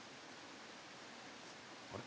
あれ？